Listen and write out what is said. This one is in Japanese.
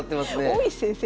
大石先生